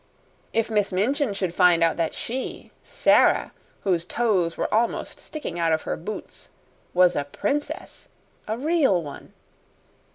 If Miss Minchin should find out that she Sara, whose toes were almost sticking out of her boots was a princess a real one!